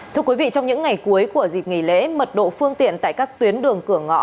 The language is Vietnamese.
trong những ngày cuối của dịp nghỉ lễ mật độ phương tiện tại các tuyến đường cửa ngõ